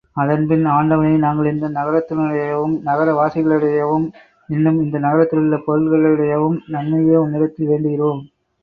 அதன்பின், ஆண்டவனே, நாங்கள் இந்த நகரத்தினுடையவும், நகர வாசிகளுடையவும், இன்னும் இந்த நகரத்திலுள்ள பொருள்களுடையவும் நன்மையையே உன்னிடத்தில் வேண்டுகிறோம்.